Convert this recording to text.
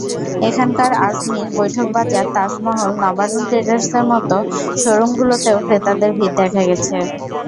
এখানকার আজমীর, বৈঠক বাজার, তাজমহল, নবারুণ ট্রেডার্সের মতো শোরুমগুলোতেও ক্রেতাদের ভিড় দেখা গেছে।